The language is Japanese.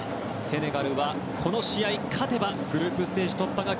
セネガルは、この試合勝てば、グループステージ突破が